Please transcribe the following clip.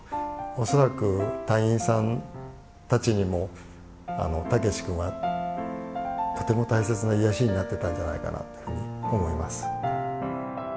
恐らく隊員さんたちにもたけし君はとても大切な癒やしになってたんじゃないかなっていうふうに思います。